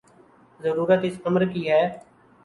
ضرورت اس امر کی ہے